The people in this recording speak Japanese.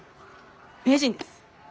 名人です。